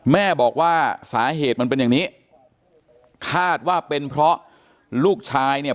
แม่บอกว่าสาเหตุมันเป็นอย่างนี้คาดว่าเป็นเพราะลูกชายเนี่ย